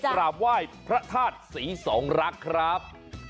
กราบไหว้พระธาตุศรีสองรักครับ